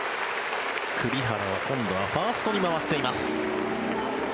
栗原は今度はファーストに回っています。